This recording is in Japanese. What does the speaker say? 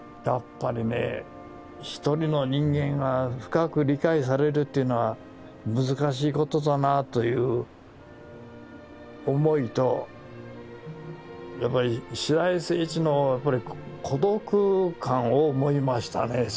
やっぱりね一人の人間が深く理解されるっていうのは難しいことだなという思いとやっぱり白井晟一の孤独感を思いましたね